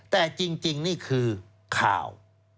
แต่จริงนี่คือข่าว